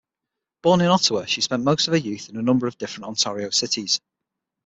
Born in Ottawa, she spent her youth in a number of different Ontario cities.